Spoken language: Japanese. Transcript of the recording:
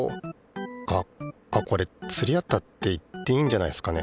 あっあっこれつり合ったって言っていいんじゃないすかね。